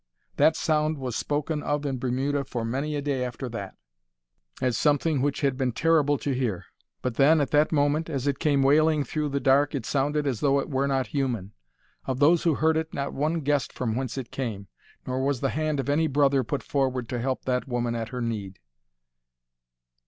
That sound was spoken of in Bermuda for many a day after that, as something which had been terrible to hear. But then, at that moment, as it came wailing through the dark, it sounded as though it were not human. Of those who heard it, not one guessed from whence it came, nor was the hand of any brother put forward to help that woman at her need.